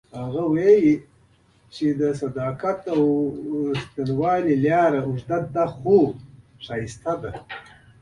هغه وایي چې د صداقت او ریښتینولۍ لاره اوږده خو ښایسته ده